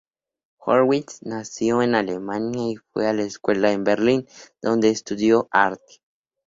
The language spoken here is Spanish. Horwitz nació en Alemania y fue a la escuela en Berlín, donde estudió arte.